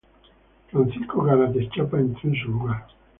Francisco Garate Chapa entró en su lugar.